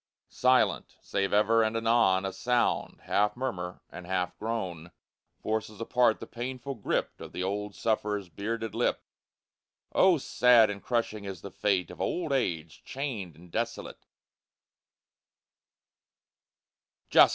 Silent, save ever and anon, A sound, half murmur and half groan, Forces apart the painful grip Of the old sufferer's bearded lip; Oh, sad and crushing is the fate Of old age chained and desolate!